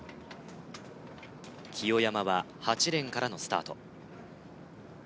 清山は８レーンからのスタート